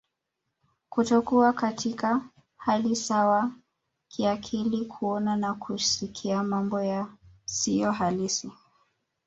Kutokuwa katika hali sawa kiakili kuona au kusikia mambo yasiyohalisi